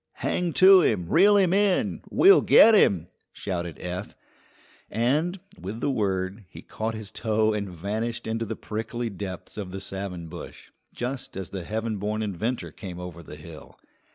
"Hang to him! Reel him in! We'll get him!" shouted Eph; and, with the word, he caught his toe and vanished into the prickly depths of the savin bush, just as the heaven born inventor came over the hill.